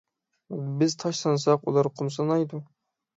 بىز تاش سانىساق، ئۇلار قۇم سانايدۇ.